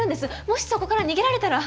もしそこから逃げられたら。